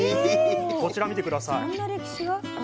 こちら見て下さい。